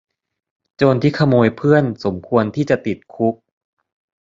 โจรที่ขโมยเพื่อนสมควรที่จะติดคุก